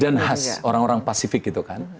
dan khas orang orang pasifik itu kan